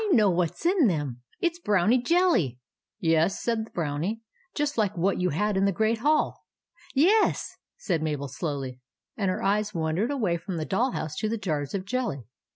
know what 's in them. It s Brownie jelly 1 " "Yes," said the Brownie, "just like what you had in the Great Hall." " Ye e s," said Mabel slowly, and her eyes wandered away from the doll house to the jars of jelly.